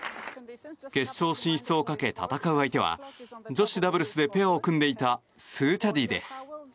決勝進出をかけ戦う相手は女子ダブルスでペアを組んでいたスーチャディです。